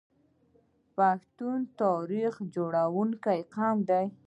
پښتون یو تاریخ جوړونکی قوم دی.